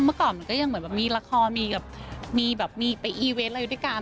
เมื่อก่อนก็ยังเหมือนมีละครมีแบบไปอีเวสอะไรอยู่ด้วยกัน